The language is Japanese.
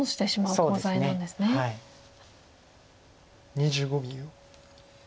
２５秒。